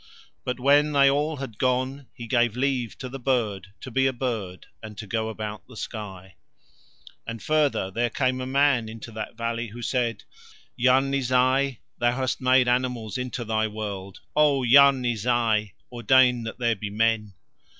But when they all had gone he gave leave to the bird to be a bird and to go about the sky. And further there came a man into that valley who said: "Yarni Zai, thou hast made animals into thy world. O Yarni Zai, ordain that there be men."